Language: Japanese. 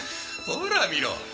ほらみろ。